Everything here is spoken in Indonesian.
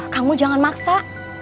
kamu jangan maksa